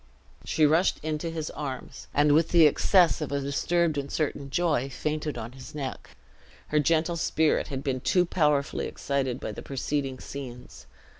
She rushed into his arms, and with the excess of a disturbed and uncertain joy, fainted on his neck. Her gentle spirit had been too powerfully excited by the preceding scenes.